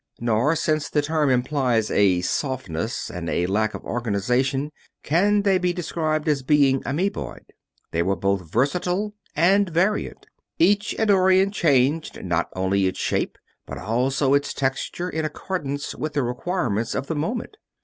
Nor, since the term implies a softness and a lack of organization, can they be described as being amoeboid. They were both versatile and variant. Each Eddorian changed, not only its shape, but also its texture, in accordance with the requirements of the moment.